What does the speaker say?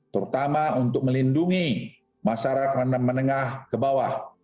terutama untuk melindungi masyarakat menengah ke bawah